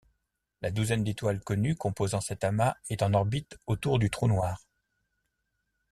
La douzaine d'étoiles connues composant cet amas est en orbite autour du trou noir.